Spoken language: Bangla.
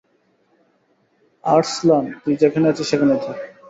আর্সলান, তুই যেখানে আছিস সেখানেই থাক।